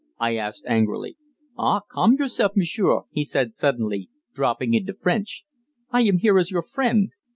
I asked angrily. "Ah! calm yourself, m'sieur," he said suddenly, dropping into French; "I am here as your friend."